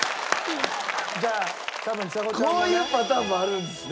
こういうパターンもあるんですね。